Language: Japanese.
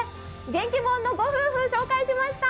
元気もんのご夫婦、ご紹介しました。